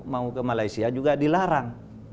mau ke malaysia juga dilarang